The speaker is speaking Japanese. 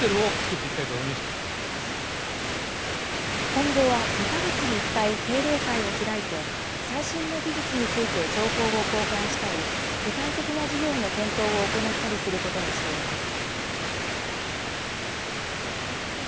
今後は、２か月に１回定例会を開いて、最新の技術について情報を交換したり、具体的な事業の検討を行ったりすることにしています。